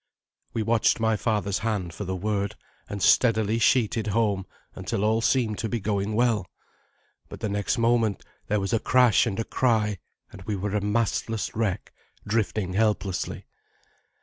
We watched my father's hand for the word, and steadily sheeted home until all seemed to be going well. But the next moment there was a crash and a cry, and we were a mastless wreck, drifting helplessly.